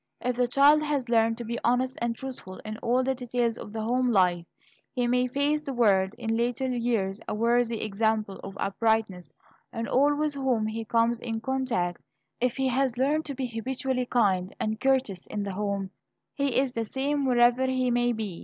If the child has learned to be honest and truthful in all the details of the home life, he may face the world in later years a worthy example of uprightness to all with whom he comes in contact. If he has learned to be habitually kind and courteous in the home, he is the same wherever he may be.